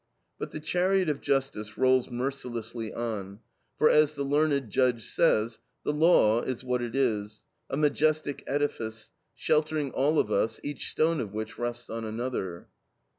But the chariot of Justice rolls mercilessly on, for as the learned Judge says "the law is what it is a majestic edifice, sheltering all of us, each stone of which rests on another."